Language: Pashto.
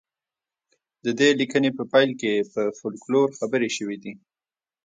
د دې لیکنې په پیل کې په فولکلور خبرې شوې دي